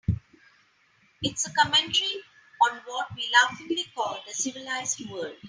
It's a commentary on what we laughingly call the civilized world.